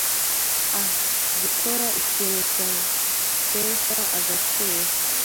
a gukora ikintu cyayitesha agaciro